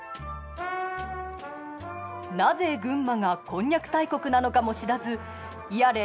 なぜ群馬がこんにゃく大国なのかも知らずやれ